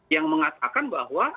yang mengatakan bahwa